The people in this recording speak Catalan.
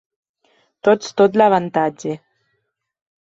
Tots tot l'avantatge.